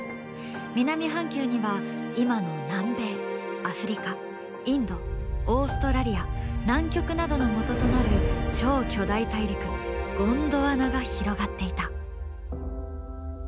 南半球には今の南米アフリカインドオーストラリア南極などのもととなる超巨大大陸ゴンドワナが広がっていた。